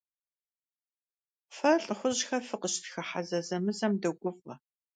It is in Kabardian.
Фэ лӀыхъужьхэр фыкъыщытхыхьэ зэзэмызэм догуфӀэ.